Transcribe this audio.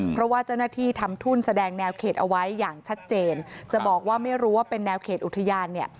เพราะว่าเจ้าหน้าที่ทำทุ่นแสดงแนวเขตเอาไว้อย่างชัดเจนจะบอกว่าไม่รู้ว่าเป็นแนวเขตอุทยานเนี่ย